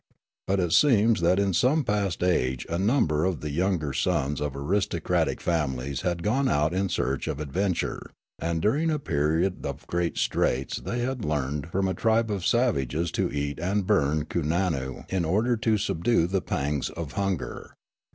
But it seems that in some past age a number of the younger sons of aristocratic families had gone out in search of advent ure ; and during a period of great straits they had learned from a tribe of savages to eat and burn kooan noo in order to subdue the pangs of hunger.